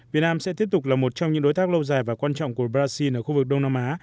việt nam sẽ tiếp tục là một trong những đối tác lâu dài và quan trọng của brazil ở khu vực đông nam á